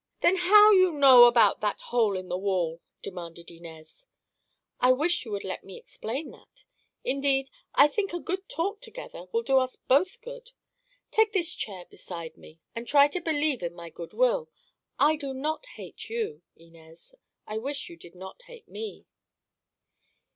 "Then how you know about that hole in the wall?" demanded Inez. "I wish you would let me explain that. Indeed, I think a good talk together will do us both good. Take this chair beside me, and try to believe in my good will. I do not hate you, Inez. I wish you did not hate me."